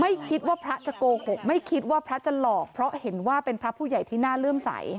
ไม่คิดว่าพระจะโกหกไม่คิดว่าพระจะหลอกเพราะเห็นว่าเป็นพระผู้ใหญ่ที่น่าเลื่อมใส